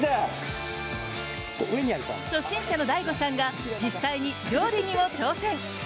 初心者のＤＡＩＧＯさんが実際に料理にも挑戦。